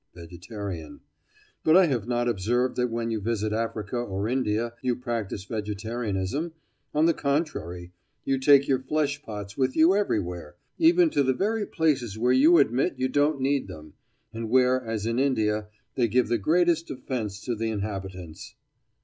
VEGETARIAN: But I have not observed that when you visit Africa or India you practise vegetarianism. On the contrary, you take your flesh pots with you everywhere—even to the very places where you admit you don't need them, and where, as in India, they give the greatest offence to the inhabitants.